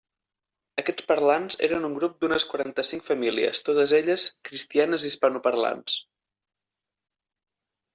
Aquests parlants eren un grup d'unes quaranta-cinc famílies, totes elles cristianes hispanoparlants.